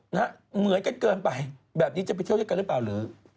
เหมือนกันเกินไปแบบนี้จะไปเที่ยวด้วยกันหรือเปล่าหรือ